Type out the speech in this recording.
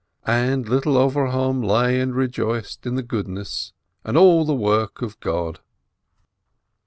And little Avrohom lay and rejoiced in the goodness and all the work of God.